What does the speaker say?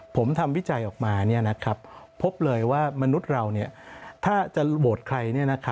ผมทำวิจัยออกมาพบเลยว่ามนุษย์เราถ้าจะโหวตใคร